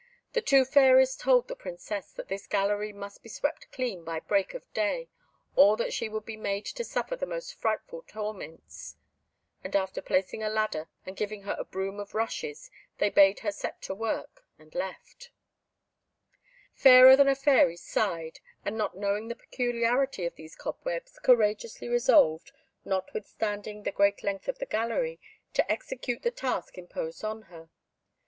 The two fairies told the Princess that this gallery must be swept clean by break of day, or that she would be made to suffer the most frightful torments, and after placing a ladder, and giving her a broom of rushes, they bade her set to work, and left her. Fairer than a Fairy sighed, and not knowing the peculiarity of those cobwebs, courageously resolved, notwithstanding the great length of the gallery, to execute the task imposed on her.